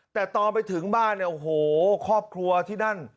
แต่ตอนไปถึงบ้านเนี่ยโอ้โหครอบครัวที่นั่น